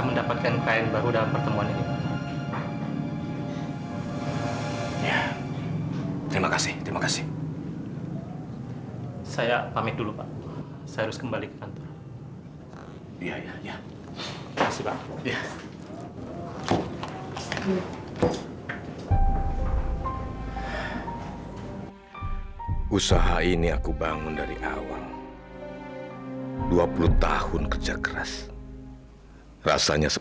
oke bapak izinkan kamu jadi orang biasa